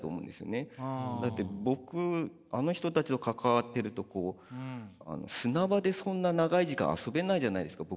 だって僕あの人たちと関わっていると砂場でそんな長い時間遊べないじゃないですか